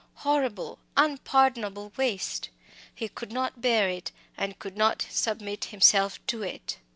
Horrible, unpardonable waste! He could not bear it, could not submit himself to it.